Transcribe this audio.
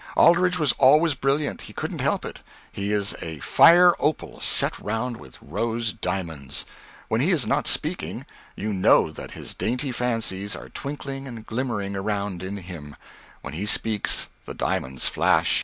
Aldrich was always brilliant, he couldn't help it, he is a fire opal set round with rose diamonds; when he is not speaking, you know that his dainty fancies are twinkling and glimmering around in him; when he speaks the diamonds flash.